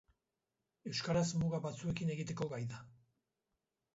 Euskaraz muga batzuekin egiteko gai da.